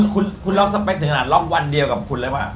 คุณล็อกสเปคถึงขนาดล็อกวันเดียวกับคุณเลยว่า